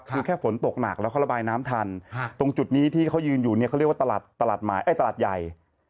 คือแค่ฝนตกหนักแล้วเขาระบายน้ำทันตรงจุดนี้ที่เขายืนอยู่เนี่ยเขาเรียกว่าตลาดหมายตลาดใหญ่